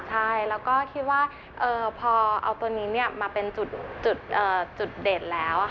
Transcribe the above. ใช่แล้วก็คิดว่าพอเอาตัวนี้มาเป็นจุดเด่นแล้ว